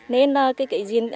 nên là cái gì